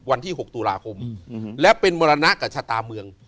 วันที่๖ตุลาคมและเป็นมรณะกับชะตาเมือง